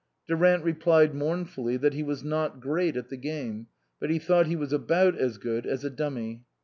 Durant replied mournfully that he was not great at the game, but he thought he was about as good as a dummy.